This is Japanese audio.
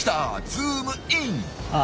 ズームイン！